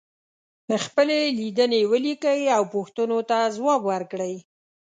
خپلې لیدنې ولیکئ او پوښتنو ته ځواب ورکړئ.